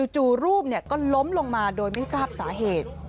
จู่รูปก็ล้มลงมาโดยไม่ทราบสาเหตุ